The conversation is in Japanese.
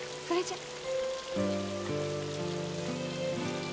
それじゃ。